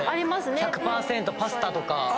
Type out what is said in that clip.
１００％パスタとか。